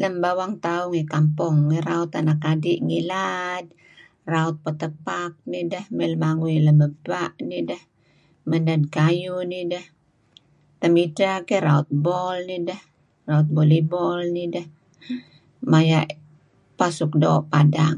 Lem bawang tauh ngi kampong ngi raut anak adi' ngilad raut petapak nideh may lemangui lem ebpa' nideh, menad kayuh nideh. Temidteh key raut bol nideh, raut volley ball nideh, maya' peh suk doo' padang.